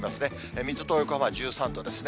水戸と横浜は１３度ですね。